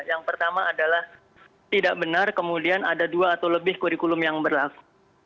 yang pertama adalah tidak benar kemudian ada dua atau lebih kurikulum yang berlaku